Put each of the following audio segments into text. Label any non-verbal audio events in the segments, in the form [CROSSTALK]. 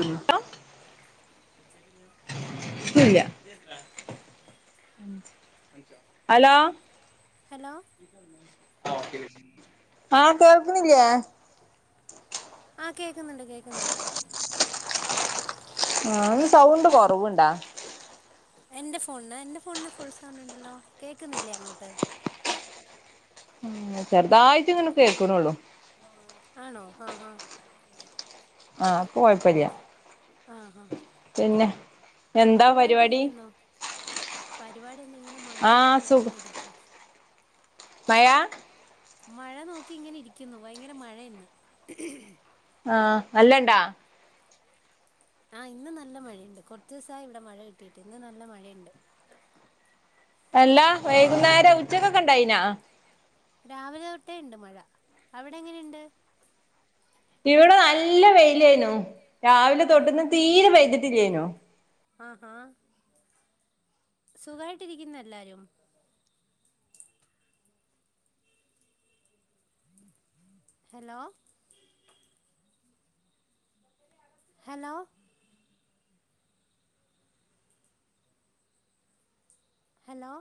ഒരു [UNINTELLIGIBLE] [INAUDIBLE] ന്നുല്ല hello hello ആഹ് കേൾക്ക്ണില്ലെയ് ആഹ് കേക്കുന്ന്ണ്ട് കേക്കുന്ന്ണ്ട് ആഹ് ന്ന്സൗണ്ട് കൊർവ്ണ്ടാ എന്റെ ഫോണ്ന് എന്റെ ഫോണിന് ഫുൾ സൗണ്ട് ഉണ്ടല്ലോ കേൾക്കുന്നില്ലേ അങ്ങോട്ട് ഉം ചെറുതായിട്ട്ങ്ങനെ കേക്ക്ണുള്ളൂ ആണോ ആഹ് ആഹ് ആഹ് ഇപ്പൊകൊഴപ്പല്ല്യാ ആഹ് ആഹ് പിന്നെ എന്താ പരിപാടി പരിപാടി എന്താ ഇങ്ങനെ മഴയൊക്കെ നോക്കിങ്ങനെ ഇരിക്ക്ന്ന് മയാ മയാ മഴന്നോക്കി ഇങ്ങനെ ഇരിക്കുന്നു ഭയങ്കര മഴ ഇന്ന്. ആഹ് നല്ലണ്ടാ ആഹ് ഇന്ന് നല്ല മഴയണ്ട് കൊർച്ചിസായി ഇവിടെ മഴ കിട്ടിയിട്ട് ഇന്ന് നല്ല മഴണ്ട്. അല്ല വൈകുന്നേരം ഉച്ചക്കൊക്കെ ഉണ്ടായിനാ രാവിലെ തൊട്ടേണ്ട് മഴ അവിടെ എങ്ങനെണ്ട് ഇവ്ടെ നല്ല വെയിലെന്നു രാവിലെ തൊട്ട്ന്ന് തീരെ പെയ്തിട്ടില്ലെയ്നു ആഹ് ആഹ് സുഖായിട്ടിരിക്കുന്നൊ എല്ലാരും hello hello hello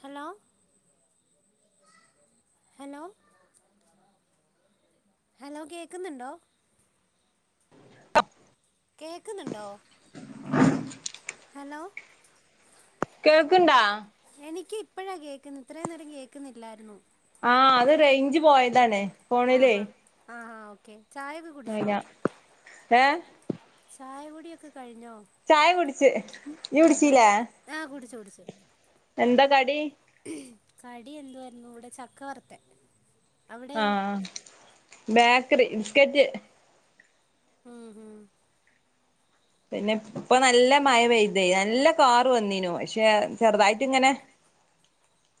hello hello hello കേക്കുന്നുണ്ടോ കേൾക്കുന്നുണ്ടോ ഹലോ കേൾക്കണ്ടാ എനിക്ക് ഇപ്പോഴാ കേൾക്കുന്നു ഇത്രയും നേരം കേക്കുന്നില്ലായിരുന്നു ആഹ് അത് റേഞ്ച് പോയതാണ് ആഹ് ഹ ആഹ് ഹ ഓക്കെ ഏ ചായ കുടിയൊക്കെ കഴിഞ്ഞോ ചായ കുടിച്ചു ആഹ് ഹാ കുടിച്ചു കുടിച്ചു എന്താ കടി കടി എന്ത്‌ വായിരുന്നു ഇവിടെ ചക്കവറുതത് ആഹ് ബേക്കറി ബിസ്കറ്റ് ഉം ഉം പിന്നെ ഇപ്പൊ നല്ല മഴ പെയ്തു നല്ല കാറ് വന്നീനു പക്ഷെ ചെറുതായിട്ട് ഇങ്ങനെ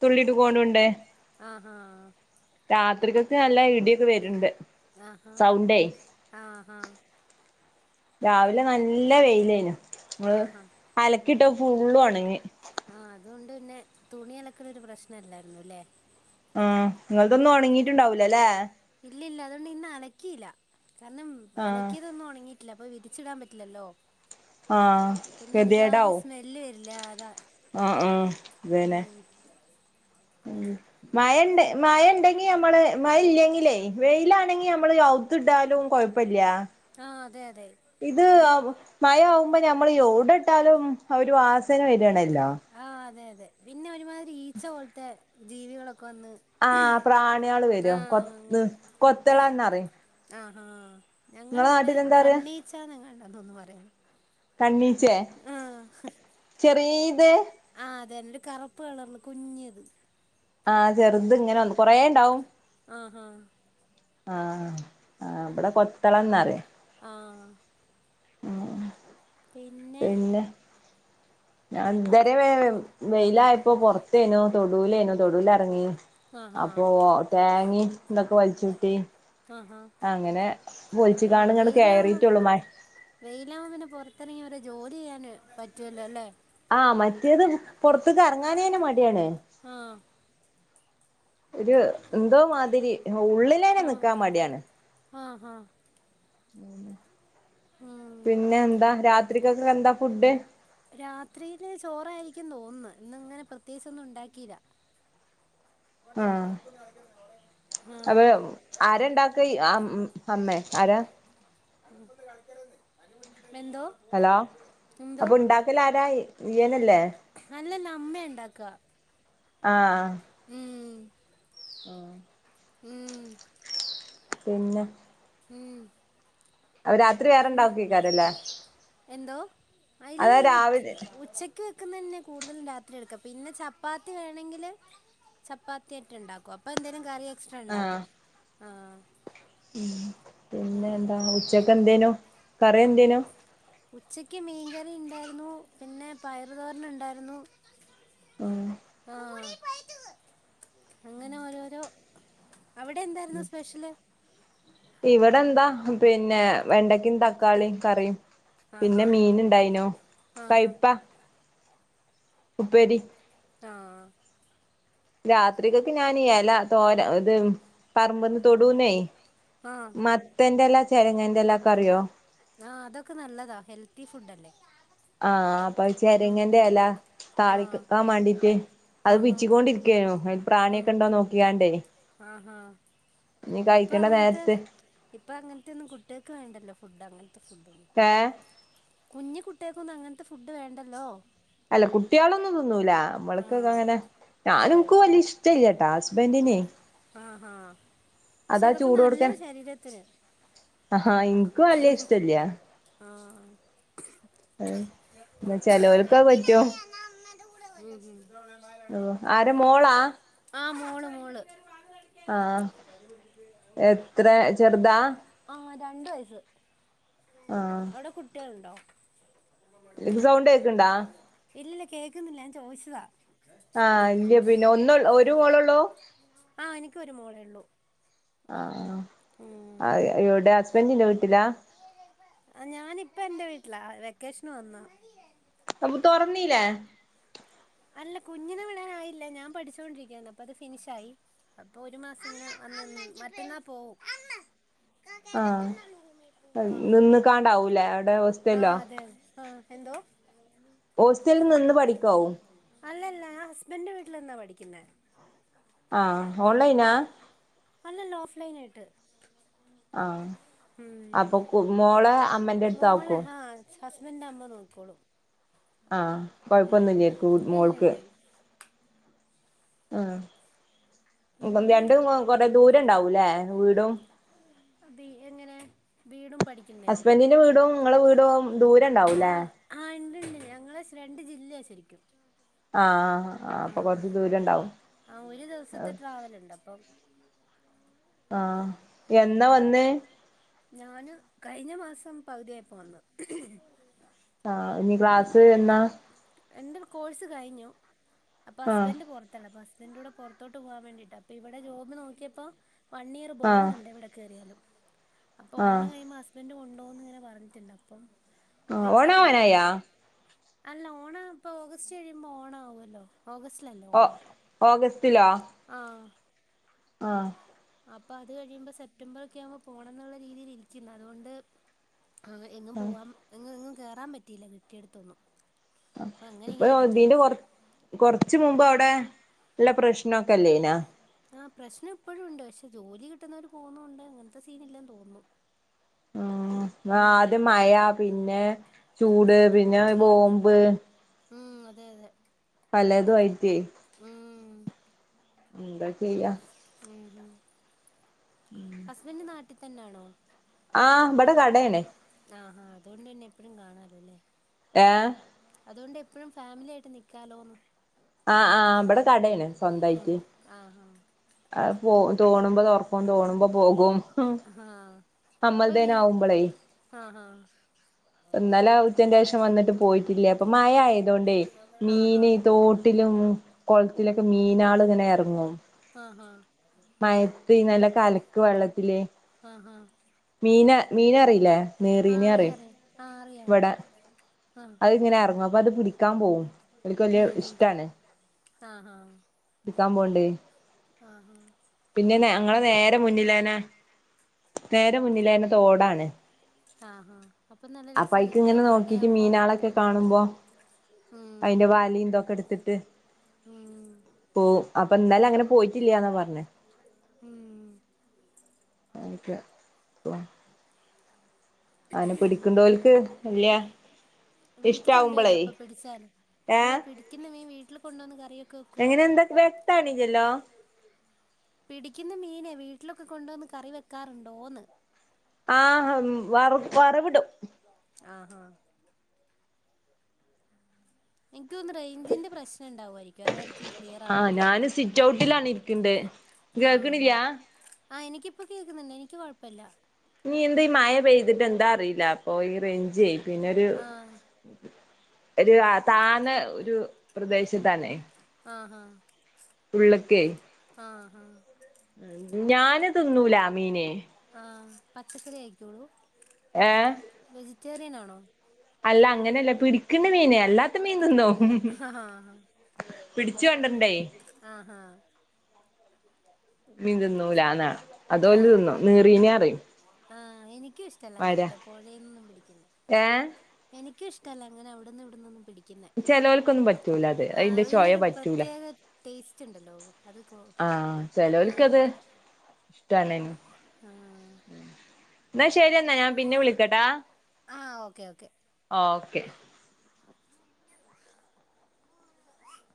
തുള്ളിടുക്കോണ്ട് ഇണ്ട് ആഹ് ഹാ രാത്രിക്കൊക്കെ നല്ല ഇടിയൊക്കെ വരുണ്ട് സൗണ്ടേ ആഹ് ഹാ രാവിലെ നല്ല വെയിലനു അലക്കിട്ടത് ഫുള്ള് ഉണങ്ങി ആഹ് അതുകൊണ്ട് പിന്നെ തുണി അലക്കലലൊ രു പ്രശ്നല്ലായിരുന്നു അല്ലേ ആഹ് നിങ്ങളതൊന്നും ഉണങ്ങിട്ടുണ്ടാവൂല അല്ലേ ഇല്ലല്ല അതുകൊണ്ട് ഇന്ന് അലക്കിയില്ല കാരണം അലക്കിയതൊന്നും ഉണങ്ങിട്ട് ഇല്ല അപ്പൊ വിരിച്ചിടാൻ പറ്റില്ലല്ലോ പിന്നെ ഒരു ജാതി സ്മെല്ല് വരില്ലേ അതാ ആഹ് ആഹ് അതന്നെ ഉം മഴണ്ട് മഴ ഉണ്ടെങ്കി നമ്മള് മഴ ഇല്ലെങ്കിലേ വെയിലാണെങ്കി നമ്മള് ഇക്ക് ഇടാലും കുഴപ്പല്ല ആഹ് അതെ അതെ ഇത് മഴ ആവുമ്പോ ഞമ്മൾ എവിടെട്ടാലും ഒര് വാസന വരാണല്ലോ ആഹ് അതെ അതെ പിന്നെ ഒരുമാതിരി ഈച്ച പോലത്തെ ജീവികളൊക്കെ വന്ന് ആഹ് പ്രാണികള് വരും കൊ കൊത്തളന്ന പറയും ആഹ് ആഹ് ഞങ്ങള് ഇവിടെ കണ്ണീച്ചാ ങ്ങാണ്ടാന്ന് തോന്നുന്നു പറയുന്നു കണ്ണീച്ചേ ചെറിത് ആഹ് അതെന്നെ ഒരു കറുപ്പ് കളറുള്ളത് കുഞ്ഞിത് ആഹ് ചെറുത് ഇങ്ങനെ കൊറേ ഉണ്ടാവും ആഹ് ഹാ ആഹ് ആഹ് ഇവിടെ കൊത്തളംന്ന് പറയ ആഹ് പിന്നെ ഞാൻ ഇന്തരെ വെയിലയപ്പോ പുറത്തേനോ തൊടുലെന്നു തൊടുലിറങ്ങി അപ്പൊ തേങ്ങി ഇന്തൊക്കെ വലിച്ചുട്ടി അങ്ങനെ വലിച്ച്ങ്ങാണ്ട് ഇങ്ങടു കേറിട്ടുള്ളു മാ വെയിലായ പിന്നെ പുറത്തിറങ്ങി ഒരെ ജോലി ചെയ്യാന് പറ്റല്ലോ അല്ലേ ആഹ് മറ്റേത് പൊർത്ത്ക്ക് അറങ്ങാനെന്നെ മടിയാണ്. ഒരു എന്തോ മാതിരി ഉള്ളിലെനെ നിക്കാൻ മടിയാണ്. ആഹ് ഹാ പിന്നെഎന്താ രാത്രിക്കൊക്കെ എന്താ ഫുഡ് രാത്രിയില് ചോറായിരിക്കും തോന്ന്ന്ന് ഇന്ന് ഇങ്ങനെ പ്രത്യേകിചൊന്നും ഇണ്ടാക്കീല. ആഹ് അപ്പ ആരാണ്ടാക്ക ഇ അമ്മേ ആരാ [INAUDIBLE] മെന്തോ? എന്തോ അല്ലല്ലാ അമ്മേണ്ടാക്ക. ആഹ് ഉം ആഹ് ഉം പിന്നെ ഉം അപ്പൊ രാത്രി വേറെണ്ടാക്കുയ്ക്കാര്യലേ? എന്തോ അല്ലെ ഉച്ച് ഉച്ചെക് ക്ക് വെക്കുന്നെന്നെ കൂടുതലും രാത്രി എടുക്ക പിന്നെ ചപ്പാത്തി വേണങ്കില് ചപ്പാത്തിയേറ്റ ഇണ്ടാക്കു അപ്പൊ എന്തേലും കറി എക്സ്ട്രാ ഇണ്ടാക്കും ആഹ് ഉം പിന്നെന്താ ഉച്ചെക്ക് എന്തേനു കറി എന്തേനു? ഉച്ചെക്ക് മീൻകറിഇണ്ടായിരുന്നു പിന്നെ പയറ് തോരന് ഇണ്ടായിരുന്നു. ആഹ് അങ്ങനെ ഓരോരോ അവിടെ എന്തായിരുന്നു സ്പെഷ്യല്? ഇവിടെന്താ പിന്നെ വെണ്ടക്കിം തക്കാളീം കറിം പിന്നെ മീന് ഇണ്ടായിനു കൈപ്പാ ഉപ്പേരി ആഹ് രാത്രിക്കൊക്കെ ഞാന് എല തോര ഇത് പറമ്പ്ന്ന് തൊടൂന്നേ മത്തെന്റെല, ചേരങ്ങെന്റെല ഒക്കെക്കറിയോ? ആഹ് അതൊക്കെ ന്നല്ലെതാ ഹെൽത്തി ഫുഡ്അല്ലേ? ആഹ് അപ്പൊ ചെരെങ്ങെന്റെല താളിക്കാൻ മാണ്ടീറ്റ്. അത് പിച്ചുകൊണ്ടിരിക്കേനു അയ്ല് പ്രാണിയൊക്കെണ്ടോന്ന് നോക്കിക്കാണ്ടേയ്. ആഹ് ആഹ് ഇപ്പൊ അങ്ങൻത്തെ ഇപ്പം അങ്ങനത്തെന്നും കുട്ടിയാൾക്ക് വേണ്ടെല്ലോ ഫുഡ് അങ്ങൻത്തെ ഫുഡൊന്നും. ങേ കുഞ്ഞിക്കുട്ടിയാക്കൊന്നും അങ്ങൻത്തെ ഫുഡ് വേണ്ടല്ലോ? അല്ലകുട്ടികളൊന്നും തിന്നൂല ന്നമ്മൾക്കൊക്കെ അങ്ങനെ ഞാനുഇൻക്കുവല്ല്യാ ഇഷ് ട്ടല്ലട്ടോ ഹസ്ബെന്റിന് ആഹ് ആഹ് അതാ ചൂടോട്ക്കെ അഹാ ഇൻ ആഹ് [INAUDIBLE] ഉം, ഉം ആഹ് മോള്, മോള് ആഹ് രണ്ട് വയസ്സ്. അവുടെ കുട്ടിയാള്ണ്ടോ? ഇല്ലാ കേക്കുന്നില്ല ഞാൻ ചോയ്ച്ചതാ. ആഹ് ഇല്ല്യാ പിന്നെ ഒന്ന് ഒരു മോളൊള്ളു? ആഹ് എനിക്കൊരു മോളേള്ളു. ആഹ് അഎവ്ടെ ഹസ്ബന്റിന്റെ വീട്ടിലാ? ആ ഞാനിപ്പ എൻറെ വീട്ടിലാ വെക്കേഷന് വന്ന അപ്പൊ തുറന്നില്ലേ അല്ല കുഞ്ഞിനെ വിടൻ ആയില്ല ഞാൻ പഠിച്ചൊണ്ടിരിക്കുവയാണ് അപ്പൊ അത് ഫിനിഷ് ആയി അപ്പൊ ഒരു മാസം മറ്റന്നാ പോകും ആഹ്‌ ഹ ആ അതെ അതെ ആഹ് എന്തോ ഹോസ്റ്റലിൽ നിന്ന് പഠിക്കാവും അല്ലല്ല ഞാൻ ഹസ്ബൻ്റ് ൻ്റെ വീട്ടിൽ നിന്നാ പഠിക്കുന്നേ ആഹ് ഓൺലൈനാ അല്ലല്ല ഓഫ്‌ലൈൻ ആയിട്ട് ആഹ് അപ്പൊ മോളെ അമ്മന്റെ അടുത്ത് ആക്കോ ഹസ്ബൻ്റ്ന്റെ അമ്മ നോകിക്കോളിം ആ കുഴപ്പമൊന്നും ഇല്ലേയിരിക്കും മോൾക്ക് ആഹ് ഇപ്പം രണ്ടും കൊറ ദൂരം ഉണ്ടാവൂല്ലേ വീടും എങ്ങനെ വീടും പഠിക്ക ഹസ്ബൻ്റ് ൻ്റെ വീടും നിങ്ങളെ വീടും ദൂരം ഉണ്ടാവൂലേ ആഹ് ഉണ്ട് ഉണ്ട് ഞങ്ങൾ രണ്ട് ജില്ലയാണ് ശരിക്കും ആഹ് ആഹ് ആഹ് ആ ഒരു ദിവസത്തെ ട്രാ വലുണ്ടപ്പം ആഹ് എന്നാ വന്നേ ഞാന് കഴിഞ്ഞ മാസം പകുതിയായിപ്പോ വന്ന് ആഹ് ഇനി ക്ലാസ്സ് എന്നാ എന്റെ കോഴ്സ് കഴിഞ്ഞു അപ്പൊ ഹസ്ബന്റ്റത്ത് ആണ് അപ്പൊ ഹസ്ബൻ്റൂടെ പുറത്തോട്ട് പോവാൻ വേണ്ടിട്ട് അപ്പൊ ഇവിടെ ജോബ് നോക്കിയപ്പോ വൺ ഇയർ ബോണ്ട് ഉണ്ട് ഇവിടെ കയറിയാലും അപ്പോ ഓണം കഴിയുപോ ഹസ്ബൻ്റ് ഹസ്ബന്റ് കൊണ്ടോന്ന് ഇങ്ങനെ പറഞ്ഞിട്ടുണ്ട് അപ്പം അപ്പൊ എവിടെയും കേറാ അല്ല ഓണ ഇപ്പ ഓഗസ്റ്റ് കഴിയുമ്പോ ഓണ ആവുമല്ലോ ഓഗസ്റ്റിലല്ലേ ഓണം ആഹ് ആഹ് അപ്പൊ അത് കഴിയുമ്പോ സെപ്റ്റംബർ ഒക്കെ ആവുമ്പോ പോണം എന്നുള്ള രീതിൽ ഇരിക്കുന്നു അതുകൊണ്ട് ആ എങ്ങും പോവാൻ എങ്ങ എങ്ങും കേയറാൻ പറ്റിയില്ല കെട്ടിയെടുത്തൊന്നും ആഹ് ഇപ്പോ ഇതിൻ്റെ പൊറ് കൊറച്ച് മുമ്പ് അവിടെ നല്ല പ്രശ്നൊക്കെ ഇല്ല്യനോ ആ പ്രശ്നം ഇപ്പോഴും ഉണ്ട് പക്ഷെ ജോലി കിട്ടുന്നവര് പോകുന്നുണ്ട് അങ്ങനത്തെ സീന്ല്ലന്ന് തോന്നുന്നു ഉം ആദ്യ മഴ പിന്നെ ചൂട് പിന്നെ ബോംമ്പ് ഉം അതെ അതെ പലതുമായിട്ടേയ്യ് എന്താ ചെയ്യ ഉം ഉം ഉം ഹസ്ബൻ്റ് നാട്ടിൽ തന്നൊണോ ആഹഹാ അതുകൊണ്ട് തന്നെ എപ്പഴും കാണാലോല്ലേ അതുകൊണ്ട് എപ്പോഴും ഫാമിലി ആയിട്ട് നിക്കാലോന്ന് ആഹ് ആഹ് ഇവിടെ കടയാണ് സ്വന്തായിട്ട് ആഹ് പോ തോണുമ്പോ തുറക്കും തോണുമ്പോ പോകും ആഹ് നമ്മൾടെ തന്നെ ആവുമ്പളേ ഇന്നലെ ഉച്ചന്റെ ശേഷം വന്നിട്ട് പോയിട്ടില്ലേ ഇപ്പൊ മഴ ആയതോണ്ടേ മീന് തോട്ടിലും കുളത്തിലൊക്കെ മീനാൾ ഇങ്ങനെ ഇറങ്ങും മയത്ത് നല്ല കല ക്ക് വെള്ളത്തില് ആഹ് ആഹ് മീന മീനെ അറിയില്ലെ നേറീന്ന് പറയും ആഹ് അറിയാം അറിയാം ആഹ് ഉം ഉം ആഹ് ആഹ് പോകണ്ട് ആഹ് ആഹ് പിന്നെ ഞങ്ങടെ നേരെ മുന്നില് തന്നേ നേരെ മുന്നില് തന്നെ തോടാണ് ആഹ് ആഹ് അപ്പൊ അയ്ക്ക് ഇങ്ങനെ നോക്കീട്ട് മീനാളെയൊക്കെ കാണുമ്പോ അതിന്റെ വാലിയും ഇതൊക്കെ എടുത്തിട്ട് ഉം പോവും അപ്പൊ ഇന്നലെ അങ്ങനെ പോയിട്ടില്ലാന്നാ പറഞ്ഞെ ഉം [UNINTELLIGIBLE] അതിനെ പിടിക്കുന്നോൽക്ക് വല്ല്യ വീട്ടിൽ കൊണ്ടുവരും അപ്പൊ പിടിച്ചാല് അല്ല പിടിക്കുന്ന മീൻ വീട്ടില് കൊണ്ടുവന്ന് കറിയൊക്കെ വെക്കുവോ [INAUDIBLE] പിടിക്കുന്ന മീനെ വീട്ടിലൊക്കെ കൊണ്ടുവന്ന് കറി വെക്കാറുണ്ടോന്ന് ആഹ് വറ വറവിടും ആഹ് ആഹ് എനിക്ക് തോന്നുന്നു റേ ഞ്ചിൻ്റെ പ്രശ്നം ഉണ്ടാവുവായിരിക്കും അതായിരിക്കും ക്ലിയറാവാത്തെ ആഹ് ഞാനും സിറ്റൗട്ടിൽ ആണ് ഇരിക്കുന്നേ കേൾക്കണില്ലാ ആഹ് എനിക്കിപ്പോ കേക്കുന്നുണ്ട് എനിക്ക് കുഴപ്പവില്ല ഇനി എന്താ ഈ മഴ പെയ്തിട്ട് എന്താറിയില്ല അപ്പൊ ഈ റേഞ്ചേ പിന്നൊരു ഒരു താന്ന ഒരു പ്രദേശത്താണെ ആഹ് ആഹ് ഉള്ളൊക്കെയേ ആഹ് ആഹ് ഞാന് തിന്നൂലാ മീനെ ആഹ് പച്ചക്കറിയേ കയിക്കൂള്ളൂ ഏ വെജിറ്റേറിയൻ ആണോ അല്ല അങ്ങനെയല്ല പിടിക്കുന്ന മീന് അല്ലാത്ത മീൻ തിന്നും ആഹ് പിടിച്ച് കണ്ടിട്ടുണ്ടേ ആഹ് ആഹ് മീൻ തിന്നൂലാന്നാ അത് ഓല് തിന്നും നീറീനെ പറയും ആഹ് എനിക്കും ഇഷ്ടവല്ല അങ്ങനത്തെ പുഴേന്നൊന്നും പിടിക്കുന്നേ എനിക്കും ഇഷ്ടവല്ല അങ്ങനെ അവിടുന്നും ഇവിടന്നും ഒന്നും പിടി കുന്നെ ആ അതിനൊരു പ്രത്ത്യേഗ ടേസ്റ്റുണ്ടല്ലോ അത് കൊ ചെലോൽക്കത് ഇഷ്ടാണേ ആഹ് ന്നാ ശരി എന്നാ ഞാൻ പിന്നെ വിളിക്കാട്ടാ ഓക്കെ [UNINTELLIGIBLE]